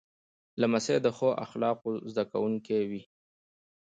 لمسی د ښو اخلاقو زده کوونکی وي.